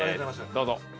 どうぞ。